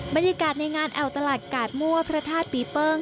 บรรยากาศในงานแอวตลาดกาดมั่วพระธาตุปีเปิ้ง